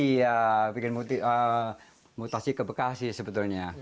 iya bikin mutasi ke bekasi sebetulnya